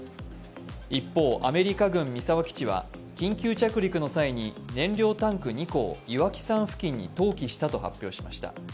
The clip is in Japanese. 一方、アメリカ軍三沢基地は緊急着陸の際に燃料タンク２個を岩木山付近に投棄したと発表しました。